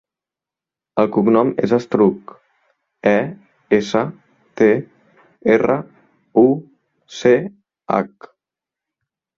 El cognom és Estruch: e, essa, te, erra, u, ce, hac.